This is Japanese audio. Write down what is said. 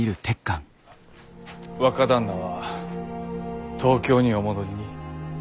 若旦那は東京にお戻りに？